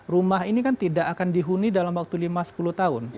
rumah ini kan tidak akan dihuni dalam waktu lima sepuluh tahun